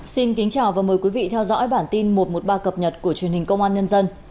xin kính chào và mời quý vị theo dõi bản tin một trăm một mươi ba cập nhật của truyền hình công an nhân dân